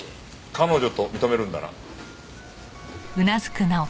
彼女と認めるんだな？